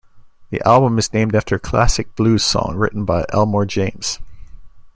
The album is named after a classic blues song written by Elmore James.